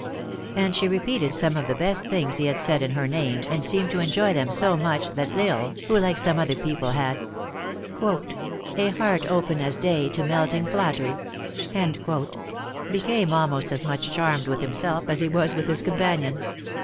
And she repeated some of the best things he had said in her name, and seemed to enjoy them so much, that L Isle, who, like some other people, had " A heart Open as day to melting flattery, " became almost as much charmed with himself as he was with his companion.